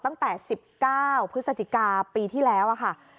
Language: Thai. ตั้งแต่๑๙พฤศจิกาปีที่แล้วค่ะ